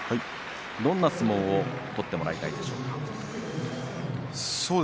どんな相撲を取ってもらいたいでしょうか。